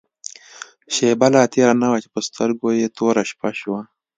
شېبه لا تېره نه وه چې په سترګو يې توره شپه شوه.